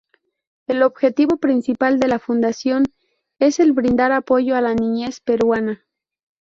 El objetivo principal de la Fundación es el brindar apoyo a la niñez peruana.